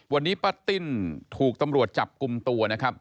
วันนี้ป้าติ้นถูกตำรวจจับกลุ่มตัวนะครับ